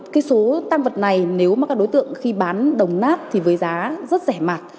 cái số tam vật này nếu mà các đối tượng khi bán đồng nát thì với giá rất rẻ mạt